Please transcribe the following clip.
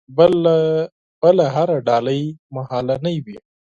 بله هره ډالۍ مهالنۍ وي.